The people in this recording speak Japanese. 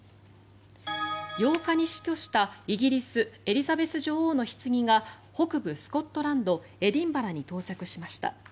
８日に死去したイギリス、エリザベス女王のひつぎが北部スコットランドエディンバラに到着しました。